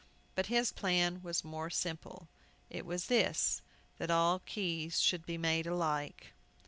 But his plan was more simple. It was this: that all keys should be made alike!